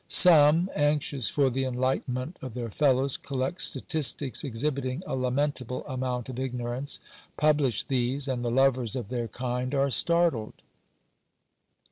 Some, anxious for the enlightenment of their fellows, collect statistics exhibiting a lamentable amount of ignorance; publish these ; and the lovers of their kind are startled.